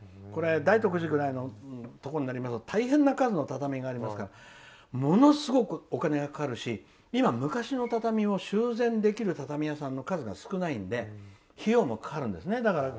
大徳寺くらいになると大変な数の畳がありますからものすごくお金がかかるし今、昔の畳を修繕できる畳屋さんの数が少ないので費用もかかるんです。